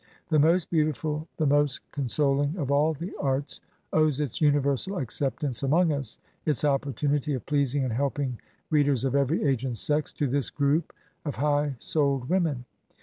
The most beautiful, the most II Digitized by VjOOQIC HEROINES OF FICTION consoling of all the arts owes its universal acceptance among us, its opportunity of pleasing and helping read ers of every age and sex, to this group of high souled women.